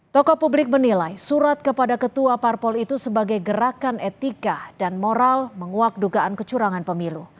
toko publik menilai surat kepada ketua parpol itu sebagai gerakan etika dan moral menguak dugaan kecurangan pemilu